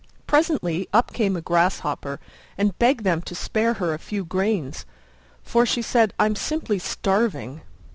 Presently up came a Grasshopper and begged them to spare her a few grains, "For," she said, "I'm simply starving."